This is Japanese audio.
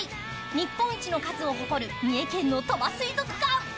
日本一の数を誇る、三重県の鳥羽水族館。